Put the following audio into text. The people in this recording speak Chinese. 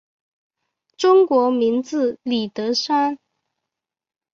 中国名字李德山。